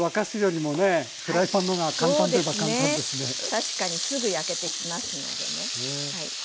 確かにすぐ焼けてきますのでね。